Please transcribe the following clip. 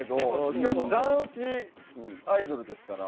しかも男子アイドルですから。